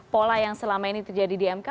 pola yang selama ini terjadi di mk